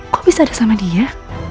kok bisa ada sama dia